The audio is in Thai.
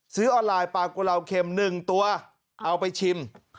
ซื้อออนไลน์ปลากุลาวเข็ม๑ตัวเอาไปชิม